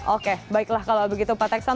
oke baiklah kalau begitu pak texon